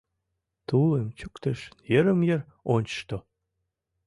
Тулым чӱктыш, йырым-йыр ончышто...